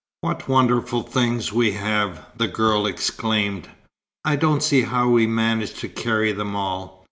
"What wonderful things we have!" the girl exclaimed. "I don't see how we manage to carry them all.